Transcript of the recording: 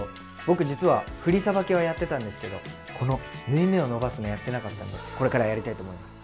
僕実は振りさばきはやってたんですけどこの縫い目を伸ばすのをやってなかったのでこれからはやりたいと思います。